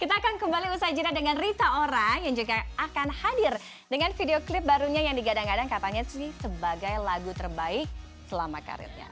kita akan kembali usai jeda dengan rita ora yang juga akan hadir dengan video klip barunya yang digadang gadang katanya sih sebagai lagu terbaik selama karirnya